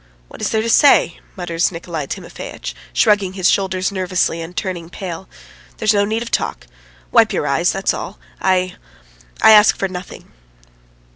"What is there to say?" mutters Nikolay Timofeitch, shrugging his shoulders nervously and turning pale. "There's no need of talk. ... Wipe your eyes, that's all. I ... I ask for nothing."